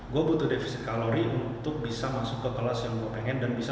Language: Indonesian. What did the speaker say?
gue butuh defisit kalori untuk bisa masuk ke kelas yang gue pengen dan bisa